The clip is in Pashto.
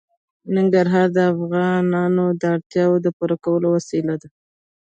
ننګرهار د افغانانو د اړتیاوو د پوره کولو وسیله ده.